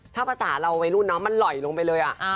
ถ้าประสาทเราเอาไว้รุ่นน้องมันหล่อยลงไปเลยอ่ะ